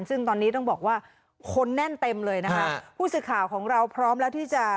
ซึ่งตอนนี้ต้องบอกว่าคนแน่นเต็มเลยนะคะผู้สื่อข่าวของเราพร้อมแล้วที่จะ